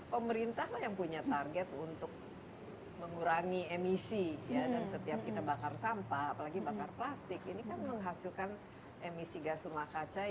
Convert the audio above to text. pemerintah lah yang punya target untuk mengurangi emisi dan setiap kita bakar sampah apalagi bakar plastik ini kan menghasilkan emisi gas rumah kaca